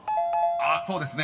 ［そうですね。